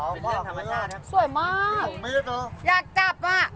นึกถึงตัวสี่ห้าเมตรจะตกใจขนาดไหน